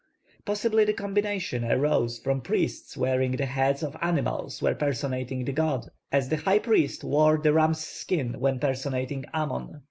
Possibly the combination arose from priests wearing the heads of animals when personating the god, as the high priest wore the ram's skin when personating Amon.